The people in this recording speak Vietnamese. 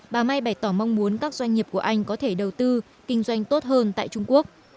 bà may bày tỏ mong muốn các doanh nghiệp của anh có thể đầu tư kinh doanh tốt hơn tại trung quốc